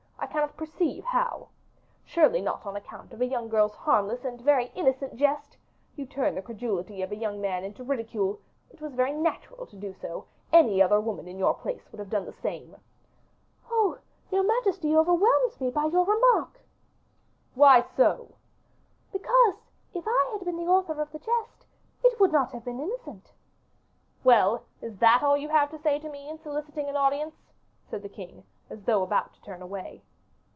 I cannot perceive how. Surely not on account of a young girl's harmless and very innocent jest? You turned the credulity of a young man into ridicule it was very natural to do so: any other woman in your place would have done the same." "Oh! your majesty overwhelms me by your remark." "Why so?" "Because, if I had been the author of the jest, it would not have been innocent." "Well, is that all you had to say to me in soliciting an audience?" said the king, as though about to turn away.